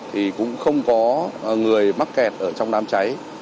thì cũng không có người mắc kẹt ở trong đám cháy